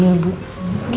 bisa juga kamu bisa diam